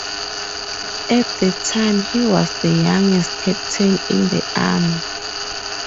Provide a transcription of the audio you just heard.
At the time he was the youngest Captain in the army.